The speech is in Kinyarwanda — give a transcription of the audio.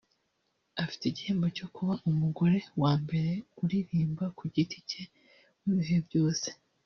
Afite igihembo cyo kuba umugore wa mbere uririmba ku giti cye w’ibihe byose